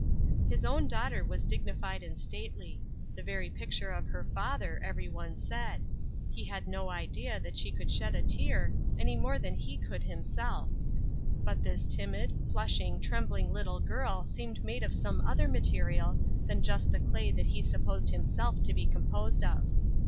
His own daughter was dignified and stately; the very picture of her father, every one said; he had no idea that she could shed a tear any more than he could himself; but this timid, flushing, trembling little girl seemed made of some other material than just the clay that he supposed himself to be composed of.